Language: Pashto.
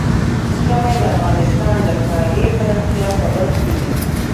ژمی د افغانستان د ښاري پراختیا سبب کېږي.